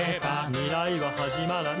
「未来ははじまらない」